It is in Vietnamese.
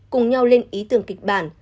cùng nhau lên ý tưởng kịch bản